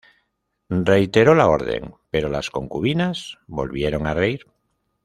Reiteró la orden, pero las concubinas volvieron a reír.